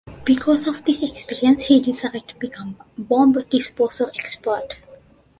Because of this experience he decided to become a bomb disposal expert.